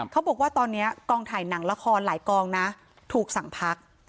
เขาบอกว่าตอนนี้กองถ่ายหนังละครหลายกองนะถูกสั่งพัก